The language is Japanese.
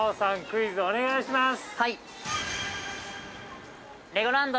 クイズお願いします。